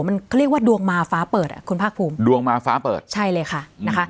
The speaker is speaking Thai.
มันเขาเรียกว่าดวงมาฟ้าเปิดอ่ะคุณภาคภูมิดวงมาฟ้าเปิดใช่เลยค่ะนะคะ